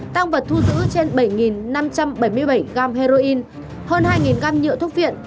tăng vật thu giữ trên bảy năm trăm bảy mươi bảy gam heroin hơn hai gam nhựa thuốc viện